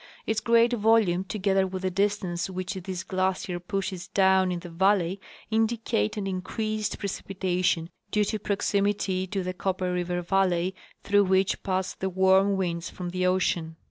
Its great volume, together with the distance which this glacier pushes down into the valley, indicate an increased precipitation, due to proximity to the Copper River valley through which pass the w^arm winds from the ocean.